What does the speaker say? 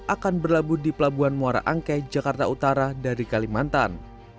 akan berlabuh di pelabuhan muara angke jakarta utara dari kalimantan